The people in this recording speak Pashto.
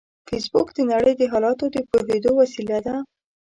فېسبوک د نړۍ د حالاتو د پوهېدو وسیله ده